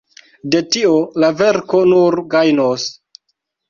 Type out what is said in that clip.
De tio la verko nur gajnos.